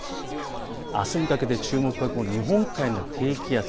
あすにかけて注目は日本海の低気圧。